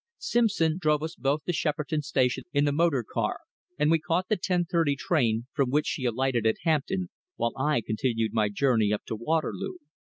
Simpson drove us both to Shepperton Station in the motor car, and we caught the ten thirty train, from which she alighted at Hampton while I continued my journey up to Waterloo.